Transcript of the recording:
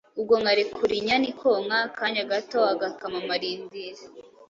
Ubwo nkarekura inyana ikonka akanya gato agakama amarindira.